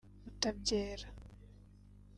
mutabyera